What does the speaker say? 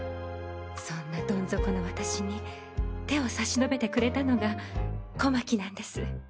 そんなどん底の私に手を差し伸べてくれたのが小牧なんです。